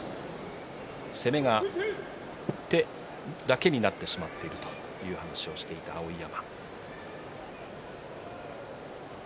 攻めが手だけになってしまっているという話をしている碧山。